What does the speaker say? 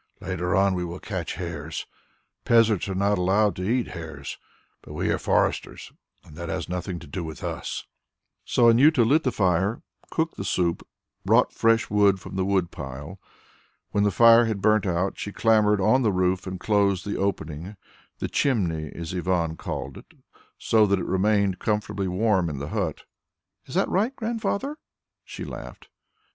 Later on we will catch hares. Peasants are not allowed to eat hares, but we are foresters, and that has nothing to do with us." So Anjuta lit the fire, cooked the soup, brought fresh wood from the wood pile. When the fire had burnt out, she clambered on the roof and closed the opening the "chimney," as Ivan called it so that it remained comfortably warm in the hut. "Is that right, Grandfather?" she laughed.